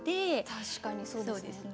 確かにそうですね。